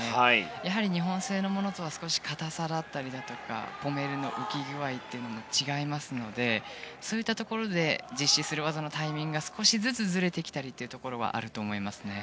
やはり日本製のものとは少し、硬さだったり留め具の浮き具合も違いますのでそういったところで実施する技のタイミングが少しずつずれてくることがありますね。